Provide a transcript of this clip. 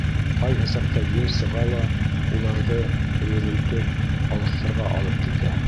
Ҡайһы саҡта ел сыға ла уларҙы, өйөрөлтөп, алыҫтарға алып китә.